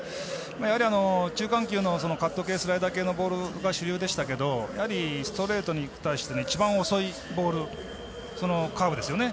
やはり中間球のカット系、スライダー系のボールが主流でしたけどストレートに対しての一番遅いボールそのカーブですね。